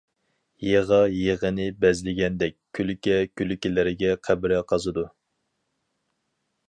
يىغا يىغىنى بەزلىگەندەك، كۈلكە كۈلكىلەرگە قەبرە قازىدۇ.